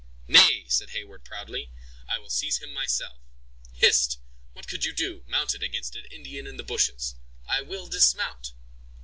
"Nay," said Heyward, proudly, "I will seize him myself." "Hist! what could you do, mounted, against an Indian in the bushes!" "I will dismount."